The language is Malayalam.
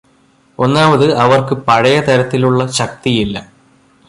ഒന്നാമത് അവർക്ക് പഴയതരത്തിലുള്ള ശക്തിയില്ല.